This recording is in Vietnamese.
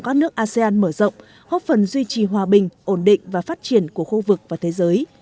các nước asean mở rộng góp phần duy trì hòa bình ổn định và phát triển của khu vực và thế giới